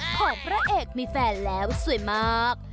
ของพระเอกมีแฟนแล้วสวยมาก